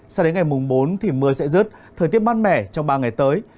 sau đến ngày bốn thì mưa sẽ rớt thời tiết mát mẻ trong ba ngày tới